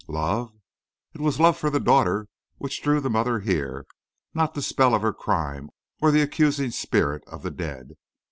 "Love?" "It was love for the daughter which drew the mother here, not the spell of her crime or the accusing spirit of the dead.